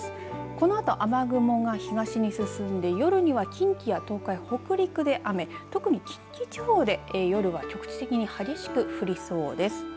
このあと雨雲が東に進んで夜には近畿や東海、北陸で雨特に近畿地方で夜は局地的に激しく降りそうです。